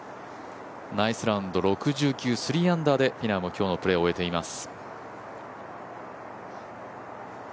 ナイスラウンド６９、３アンダーでフィナウも今日のプレーを終えています。